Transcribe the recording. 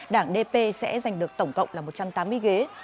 đảng dp sẽ giành được tổng cộng là một trăm tám mươi ghế